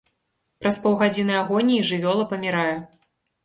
Праз паўгадзіны агоніі жывёла памірае.